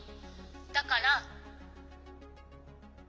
だから」。